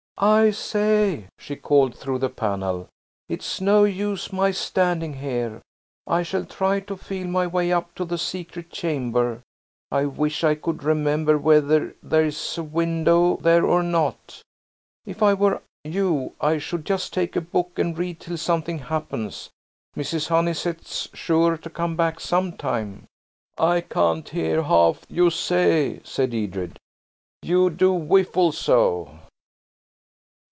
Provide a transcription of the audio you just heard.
"I say," she called through the panel, "it's no use my standing here. I shall try to feel my way up to the secret chamber. I wish I could remember whether there's a window there or not. If I were you I should just take a book and read till something happens. Mrs. Honeysett's sure to come back some time." "I can't hear half you say," said Edred. "You do whiffle so."